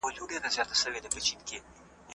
دوى ټول په دې خوشحال دي چي لمر هغه دئ راغى